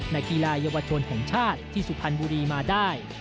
ในกีฬายวชนของชาติที่สุพรรณบุรีมาได้